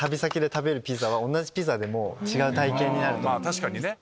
確かにね。